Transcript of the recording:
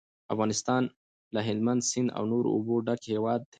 افغانستان له هلمند سیند او نورو اوبو ډک هیواد دی.